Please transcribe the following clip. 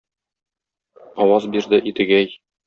Аваз бирде Идегәй: